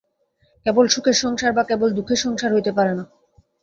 কেবল সুখের সংসার বা কেবল দুঃখের সংসার হইতে পারে না।